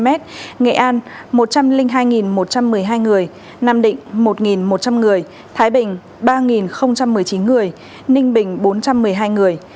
nam định là một trăm linh hai một trăm một mươi hai người nam định là một một trăm linh người thái bình là ba một mươi chín người ninh bình là bốn trăm một mươi hai người